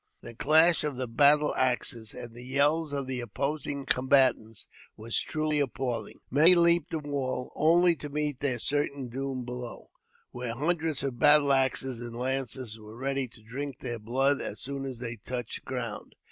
The clash of battle axes, and the yells of the opposing combatants were truly appalling. Many leaped the wall only to meet their certain doom below^, where hundreds of battle axes and lances were ready to drink their blood as soon as they touched ground.